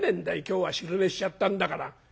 今日は昼寝しちゃったんだから」。